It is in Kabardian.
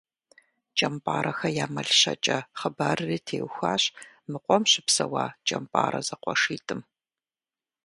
«КӀэмпӀарэхэ я мэл щэкӀэ» хъыбарри теухуащ мы къуэм щыпсэуа КӀэмпӀарэ зэкъуэшитӀым.